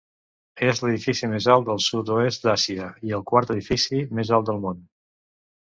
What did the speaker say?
És l'edifici més alt del sud-est d'Àsia i el quart edifici més alt del món.